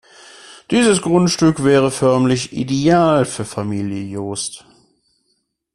Dieses Grundstück wäre förmlich ideal für Familie Jost.